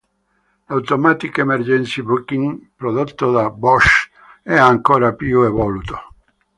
L"'Automatic Emergency Breaking", prodotto da Bosch, è ancora più evoluto.